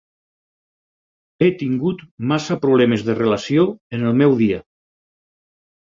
He tingut massa problemes de relació en el meu dia.